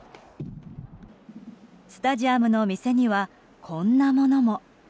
スタジアムの店にはこんなものも。